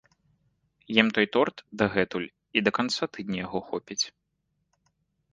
Ем той торт дагэтуль і да канца тыдня яго хопіць.